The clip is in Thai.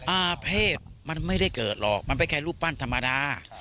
อาเภษมันไม่ได้เกิดหรอกมันเป็นแค่รูปปั้นธรรมดา